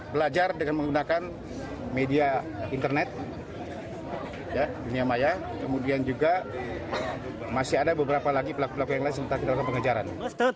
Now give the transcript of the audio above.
belajar dengan menggunakan media internet dunia maya kemudian juga masih ada beberapa lagi pelaku pelaku yang lain sementara kita lakukan pengejaran